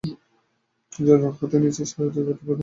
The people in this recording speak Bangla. এছাড়াও, ডানহাতে নিচের সারিতে ব্যাটিং করতেন জ্যাক মার্টিন।